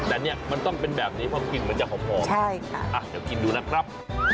อ่ะเดี๋ยวกินดูนะครับ